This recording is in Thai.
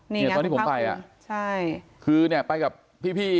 นี่ไงคุณภาคภูมิใช่นี่ตอนที่ผมไปคือเนี่ยไปกับพี่